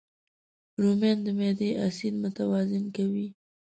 رومیان د معدې اسید متوازن کوي